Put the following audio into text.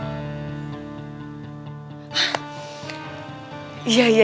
yang selama ini gue ceritain ke dia